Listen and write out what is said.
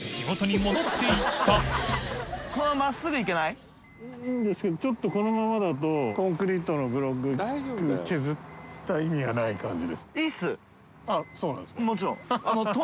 いいんですけどちょっとこのままだと灰鵐蝓璽箸離屮蹈奪削った意味がない感じです。